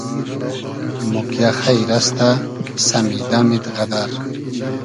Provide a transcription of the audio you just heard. موگیۂ خݷر استۂ ؟ سئمیدئمید غئدئر